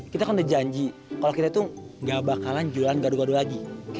kita kan udah janji kalau kita tuh gak bakalan jualan gara gara lagi oke